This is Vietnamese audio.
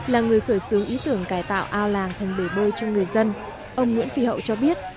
là người khởi xướng ý tưởng cải tạo ao làng thành bể bơi cho người dân ông nguyễn phi hậu cho biết